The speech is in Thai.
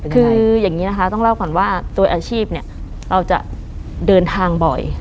คืออย่างนี้นะคะต้องเล่าก่อนว่าตัวอาชีพเนี่ยเราจะเดินทางบ่อย